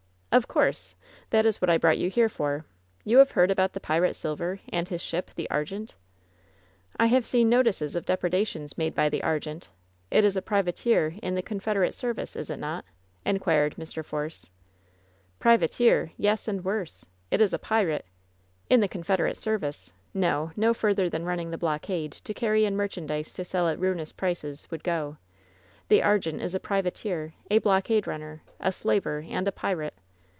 "Of course! That is what I brought you here for. You have heard about the pirate Silver, and his ship, the Argentef' "I have seen notices of depredations made by the Argente. It is a privateer in the Confederate service, is it not?" inquired Mr. Force. "Privateer ? Yes, and worse ! It is a pirate ! In the Confederate service ? No ; no further than running the blockade, to carry in merchandise to sell at ruinous prices, would go ! The Argente is a privateer, a blockade runner, a slaver, and a pirate.